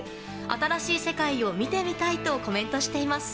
新しい世界を見てみたいとコメントしています。